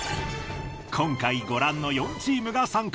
今回ご覧の４チームが参加。